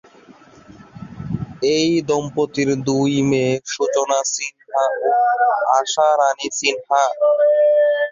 এ দম্পতির দুই মেয়ে সূচনা সিনহা ও আশা রানী সিনহা।